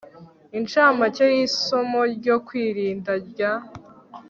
incamake y isomo ryo kwirinda rya